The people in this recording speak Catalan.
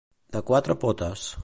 De quatre potes.